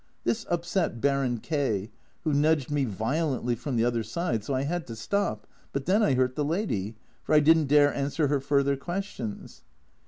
This upset Baron K , who nudged me violently from the other side, so I had to stop, but then I hurt the lady, for I didn't dare answer her further questions.